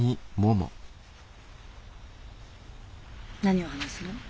何を話すの？